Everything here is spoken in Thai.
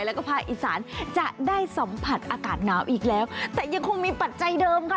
แล้วก็ภาคอีสานจะได้สัมผัสอากาศหนาวอีกแล้วแต่ยังคงมีปัจจัยเดิมค่ะ